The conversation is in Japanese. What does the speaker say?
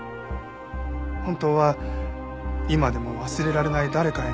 本当は今でも忘れられない誰かへの思いがあるから。